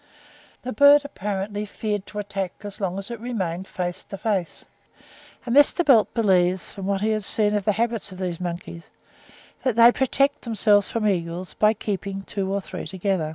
The bird apparently feared to attack as long as it remained face to face; and Mr. Belt believes, from what he has seen of the habits of these monkeys, that they protect themselves from eagles by keeping two or three together.